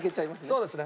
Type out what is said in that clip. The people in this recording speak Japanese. そうですね。